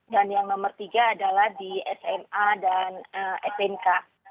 dan yang nomor tiga adalah di sma dan snk